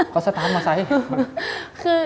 ก็สตาร์ทมอเตอร์ไซค์